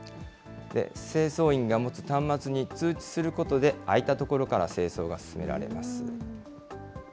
清掃員が持つ端末に通知することで、空いた所から清掃が進められます。